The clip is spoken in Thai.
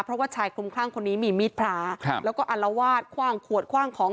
เพราะว่าชายคลุมคร่างคนนี้มีมีดพลาแล้วก็อลวาสขวางขวดขวางของ